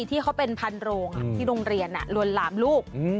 ที่เขาเป็นพันโรงที่โรงเรียนลวนลามลูก